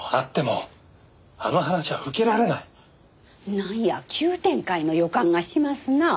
なんや急展開の予感がしますな。